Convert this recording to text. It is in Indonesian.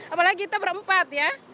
apalagi kita berempat ya